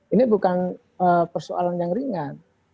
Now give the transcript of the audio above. ini bukan persoalan yang ringan